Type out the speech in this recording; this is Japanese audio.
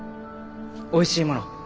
おいしいもの